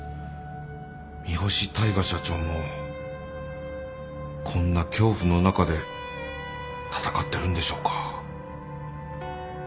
三星大海社長もこんな恐怖の中で闘ってるんでしょうか。